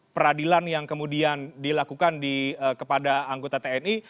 peradilan yang kemudian dilakukan kepada anggota tni